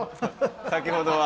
先ほどは。